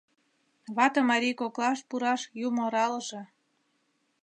Вате-марий коклаш пураш юмо аралыже.